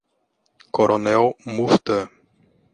Coronel Murta